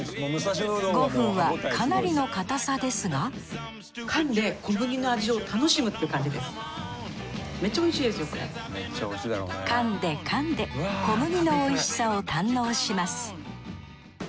５分はかなりの硬さですが噛んで噛んで小麦の美味しさを堪能します